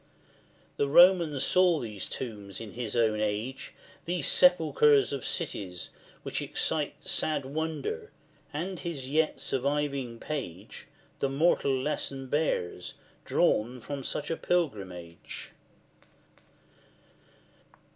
The Roman saw these tombs in his own age, These sepulchres of cities, which excite Sad wonder, and his yet surviving page The moral lesson bears, drawn from such pilgrimage.